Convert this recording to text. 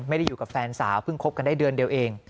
อยู่กับแฟนสาวเพิ่งคบกันได้เดือนเดียวเอง